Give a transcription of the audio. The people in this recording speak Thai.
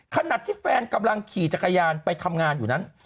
ขณะที่แฟนกำลังขี่จักรยานไปทำงานอยู่นั้น